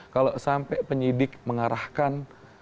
kalau sampai penyidik mengarahkan